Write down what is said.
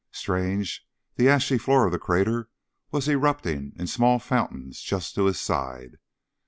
Strange, the ashy floor of the crater was erupting in small fountains just to his side.